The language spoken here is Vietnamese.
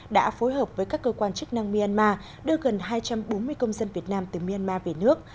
đã phối hợp với các cơ quan chức năng myanmar đưa gần hai trăm bốn mươi công dân việt nam từ myanmar về nước